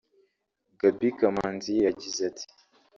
Gaby Kamanzi yagize ati